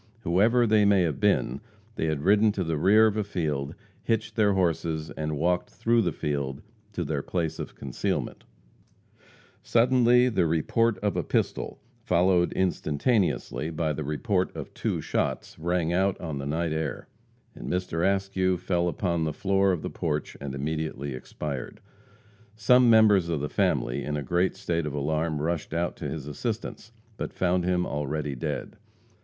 Whoever they may have been, they had ridden to the rear of a field, hitched their horses, and walked through the field to their place of concealment. [Illustration: Death of Farmer Askew.] Suddenly the report of a pistol, followed instantaneously by the report of two shots, rang out on the night air, and Mr. Askew fell upon the floor of the porch and immediately expired. Some members of the family, in a great state of alarm, rushed out to his assistance, but found him already dead.